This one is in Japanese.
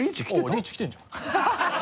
リーチきてるじゃん。